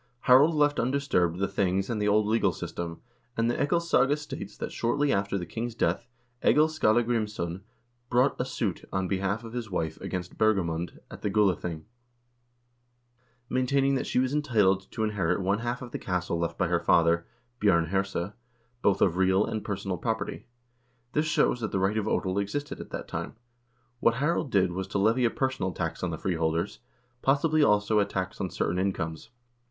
Harald left undisturbed the things and the old legal system, and the "Egilssaga" states that shortly after the king's death Egil Skallagrimsson brought a suit on behalf of his wife against Bergamund at the Gulathing, maintaining that she was entitled to inherit one half of the estate left by her father, Bj0rn Herse, both of real and personal property. This shows that the right of odel existed at that time. What Harald did was to levy a personal tax on the freeholders, possibly, also, a tax on certain incomes.